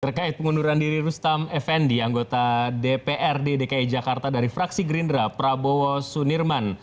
terkait pengunduran diri rustam effendi anggota dprd dki jakarta dari fraksi gerindra prabowo sunirman